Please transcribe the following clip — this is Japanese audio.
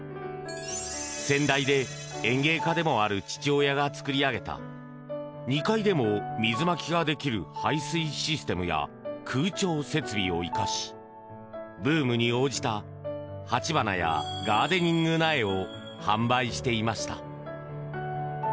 先代で園芸家でもある父親が作り上げた２階でも水まきが出来る排水システムや空調設備を生かしブームに応じた鉢花やガーデニング苗を販売していました。